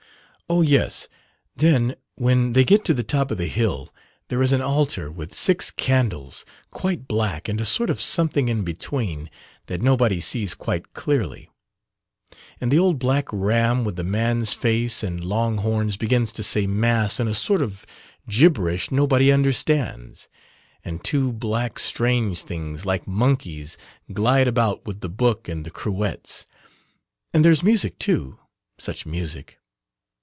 "Oh, yes, then when they get to the top of the hill, there is an altar with six candles quite black and a sort of something in between, that nobody sees quite clearly, and the old black ram with the man's face and long horns begins to say Mass in a sort of gibberish nobody understands, and two black strange things like monkeys glide about with the book and the cruets and there's music too, such music.